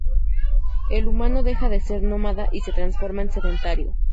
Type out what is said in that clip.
El humano deja de ser nómada y se transforma en sedentario.